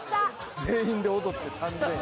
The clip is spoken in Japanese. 全員で踊って３０００円。